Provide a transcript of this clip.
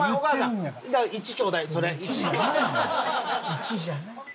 １じゃないのよ。